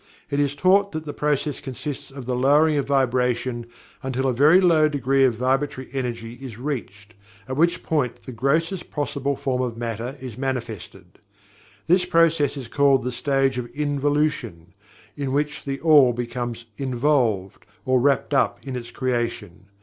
It is taught that the process consists of the lowering of Vibration until a very low degree of vibratory energy is reached, at which point the grossest possible form of Matter is manifested. This process is called the stage of Involution, in which THE ALL becomes "involved," or "wrapped up," in its creation.